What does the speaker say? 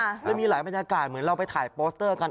มันมีหลายบรรยากาศเหมือนเราไปถ่ายโปสเตอร์กัน